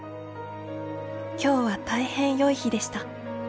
今日は大変よい日でした。